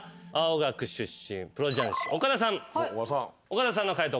岡田さんの解答